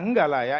enggak lah ya